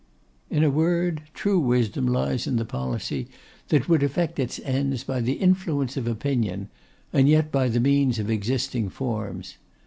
'In a word, true wisdom lies in the policy that would effect its ends by the influence of opinion, and yet by the means of existing forms.